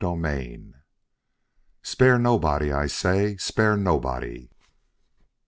XII "SPARE NOBODY! I SAY, SPARE NOBODY!"